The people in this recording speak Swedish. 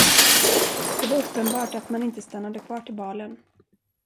Det var uppenbart, att man inte stannade kvar till balen.